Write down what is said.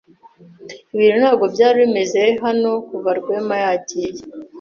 Ibintu ntabwo byari bimeze hano kuva Rwema yagiye.